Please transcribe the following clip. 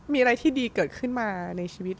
มีอะไรที่ดีเกิดขึ้นมาในชีวิต